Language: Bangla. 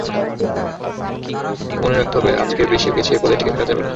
মনে রাখতে হবে, আজকের বিশ্বে পিছিয়ে পড়লে টিকে থাকা যাবে না।